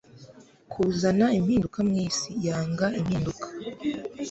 kuzana impinduka mwisi yanga impinduka